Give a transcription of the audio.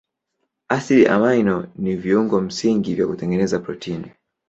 Asidi amino ni viungo msingi vya kutengeneza protini.